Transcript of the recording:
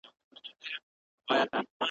بلکې د ملي شعور